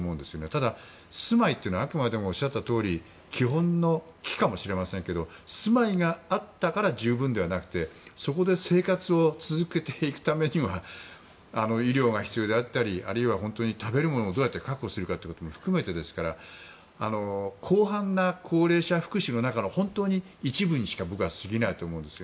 ただ、住まいというのはあくまでもおっしゃったとおり基本の「き」かもしれませんけど住まいがあったから十分ではなくてそこで生活を続けていくためには医療が必要であったりあるいは、本当に食べるものをどうやって確保するかということも含めてですから広範な高齢者福祉の中の一部にしかすぎないと僕は思うんですよ。